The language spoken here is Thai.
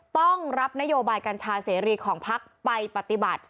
ต้องรับนโยบายกัญชาเสรีของพักไปปฏิบัติ